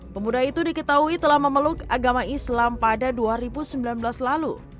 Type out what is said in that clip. pemuda itu diketahui telah memeluk agama islam pada dua ribu sembilan belas lalu